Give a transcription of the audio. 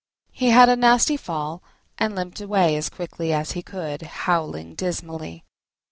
He had a nasty fall, and limped away as quickly as he could, howling dismally.